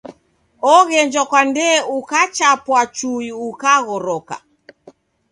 Oghenjwa kwa ndee ukapuchwa chui ukaghoroka.